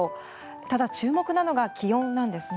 ただ、注目なのが気温なんですね。